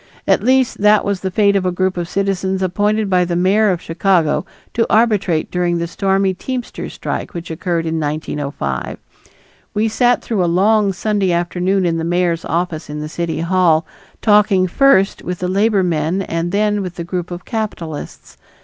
At least that was the fate of a group of citizens appointed by the mayor of Chicago to arbitrate during the stormy teamsters' strike which occurred in 1905. We sat through a long Sunday afternoon in the mayor's office in the City Hall, talking first with the labor men and then with the group of capitalists.